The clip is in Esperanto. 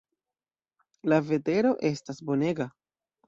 La vetero estas bonega.